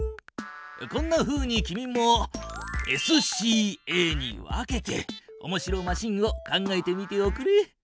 こんなふうに君もＳＣＡに分けておもしろマシンを考えてみておくれ。